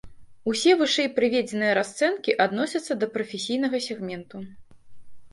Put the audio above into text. Усе вышэй прыведзеныя расцэнкі адносяцца да прафесійнага сегменту.